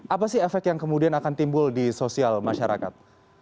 apa sih efek yang kemudian akan timbul di sosial masyarakat